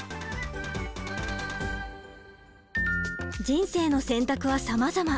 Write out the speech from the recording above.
人生の選択はさまざま。